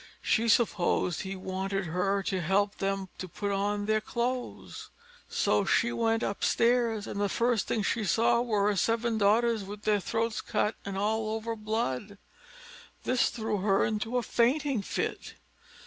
She supposed he wanted her to help them to put on their clothes; so she went upstairs, and the first thing she saw was her seven daughters with their throats cut and all over blood. This threw her into a fainting fit.